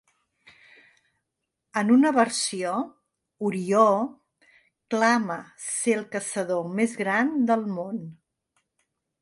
En una versió, Orió clama ser el caçador més gran del món.